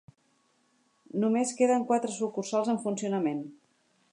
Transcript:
Només queden quatre sucursals en funcionament.